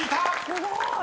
すごーい！